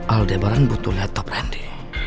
aldebaran butuh laptop randy